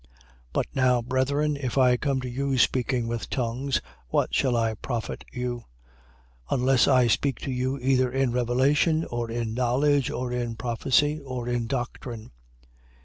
14:6. But now, brethren, if I come to you speaking with tongues, what shall I profit you, unless I speak to you either in revelation or in knowledge or in prophecy or in doctrine?